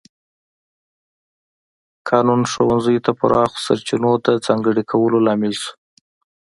قانون ښوونځیو ته پراخو سرچینو د ځانګړي کولو لامل شو.